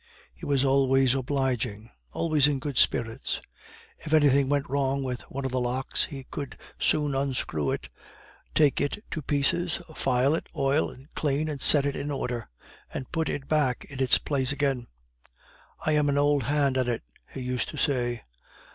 He was always obliging, always in good spirits; if anything went wrong with one of the locks, he would soon unscrew it, take it to pieces, file it, oil and clean and set it in order, and put it back in its place again; "I am an old hand at it," he used to say.